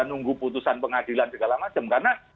nunggu putusan pengadilan segala macam karena